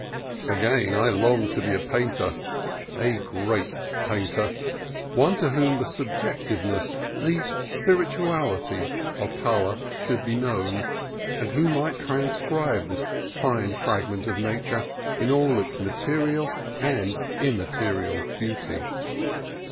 Again I longed to be a painter, — a great painter, one to whom the subjectiveness, the spirituality, of color should be known, and who might transcribe this fine fragment of Nature in all its material and immaterial beauty.